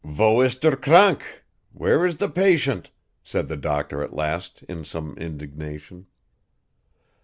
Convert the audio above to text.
"Wo ist der Kranke? Where is the patient?" said the doctor at last in some indignation.